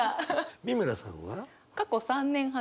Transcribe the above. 美村さんは？